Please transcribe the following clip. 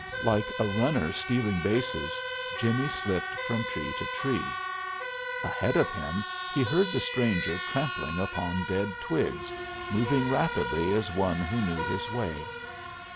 Like a runner stealing bases, Jimmie slipped from tree to tree. Ahead of him he heard the stranger trampling upon dead twigs, moving rapidly as one who knew his way.